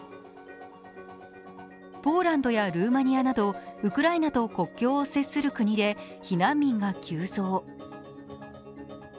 ポーランドやルーマニアなどウクライナと国境を接する国で避難民が急増。